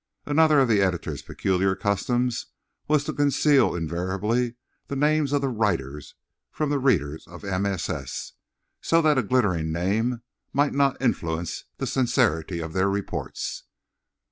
Another of the editor's peculiar customs was to conceal invariably the name of the writer from his readers of MSS. so that a glittering name might not influence the sincerity of their reports.